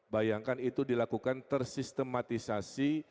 bayangkan itu dilakukan tersistematisasi